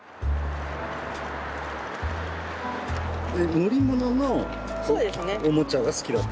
乗り物のおもちゃが好きだった？